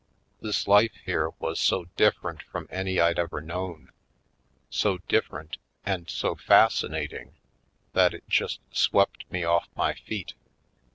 This life here was so different from any I'd ever known — so different and so fascinating — that it just swept me off my feet.